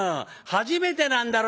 初めてなんだろう？」。